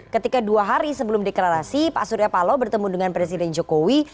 ketika dua hari sebelum deklarasi pak surya palo bertemu dengan presiden jokowi